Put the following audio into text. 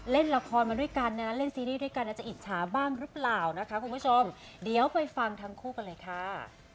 เล่นละครมาด้วยกันนะเล่นซีรีส์ด้วยกันอาจจะอิจฉาบ้างหรือเปล่านะคะคุณผู้ชมเดี๋ยวไปฟังทั้งคู่กันเลยค่ะ